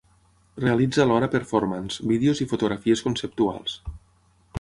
Realitza alhora performances, vídeos i fotografies conceptuals.